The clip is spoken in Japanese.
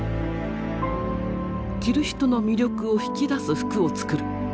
「着る人」の魅力を引き出す服を作る。